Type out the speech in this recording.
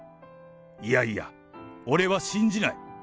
いやいや、俺は信じない。